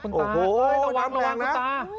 โอ้โฮคุณตาโอ้โฮระวังคุณตา